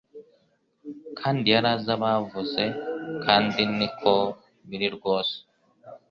Kandi yari azi abavuze kandi niko biri rwose